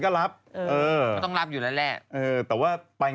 เขาอาจจะไม่รู้จักอัน